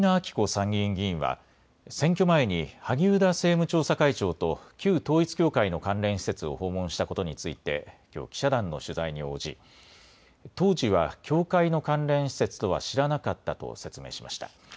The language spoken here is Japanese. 参議院議員は選挙前に萩生田政務調査会長と旧統一教会の関連施設を訪問したことについてきょう記者団の取材に応じ当時は教会の関連施設とは知らなかったと説明しました。